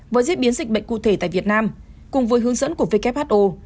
với diễn biến dịch bệnh cụ thể tại việt nam cùng với hướng dẫn của who